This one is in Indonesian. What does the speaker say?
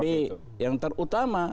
tapi yang terutama